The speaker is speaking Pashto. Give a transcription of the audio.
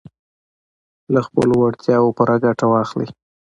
له خپلو وړتیاوو پوره ګټه واخلئ.